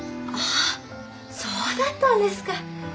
そうだったんですか！